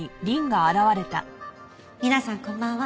皆さんこんばんは。